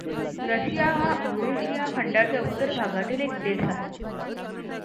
Russia हा Eurasia खंडाच्या उत्तर भागातील एक देश आहे.